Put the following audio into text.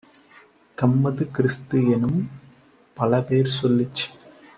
கம்மது, கிறிஸ்து-எனும் பலபேர் சொல்லிச்